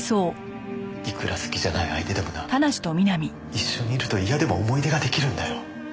いくら好きじゃない相手でもな一緒にいると嫌でも思い出が出来るんだよ。